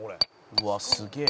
「うわあすげえ。